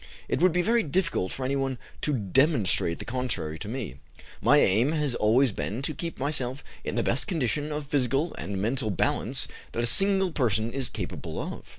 It would be very difficult for anyone to demonstrate the contrary to me. My aim has always been to keep myself in the best condition of physical and mental balance that a single person is capable of."